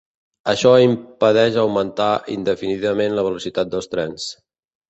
Això impedeix augmentar indefinidament la velocitat dels trens.